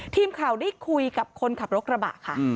ทีมข่าวได้คุยกับคนขับรถกระบะค่ะ